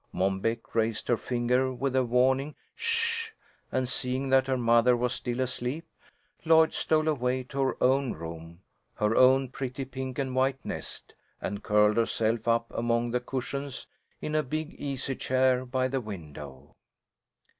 Mom Beck raised her finger with a warning "Sh!" and seeing that her mother was still asleep, Lloyd stole away to her own room, her own pretty pink and white nest, and curled herself up among the cushions in a big easy chair by the window.